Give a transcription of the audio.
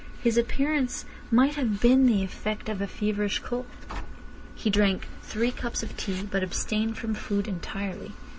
His appearance might have been the effect of a feverish cold. He drank three cups of tea, but abstained from food entirely.